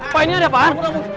pak ini ada apaan